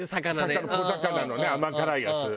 小魚のね甘辛いやつ。